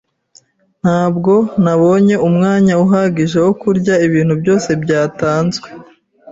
Ntabwo nabonye umwanya uhagije wo kurya ibintu byose byatanzwe.